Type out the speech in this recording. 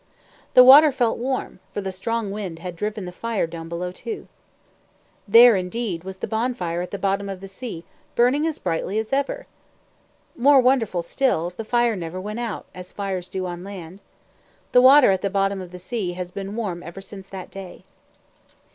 The water felt warm, for the strong wind had driven the fire down below, too. There, indeed, was the bonfire at the bottom of the sea, burning as brightly as ever. More wonderful still, the fire never went out, as fires do on land. The water at the bottom of the sea has been warm ever since that day.